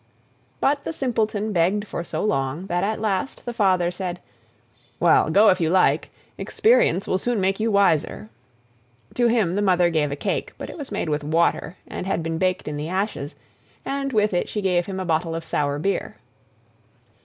But the Simpleton begged for so long that at last the Father said: "Well, go if you like; experience will soon make you wiser." To him the Mother gave a cake, but it was made with water and had been baked in the ashes, and with it she gave him a bottle of sour beer.